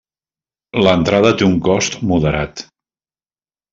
L'entrada té un cost moderat.